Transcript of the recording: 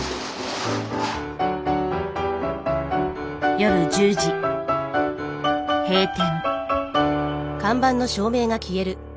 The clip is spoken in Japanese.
夜１０時閉店。